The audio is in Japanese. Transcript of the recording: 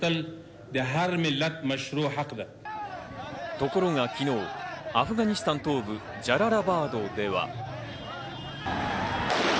ところが昨日、アフガニスタン東部ジャララバードでは。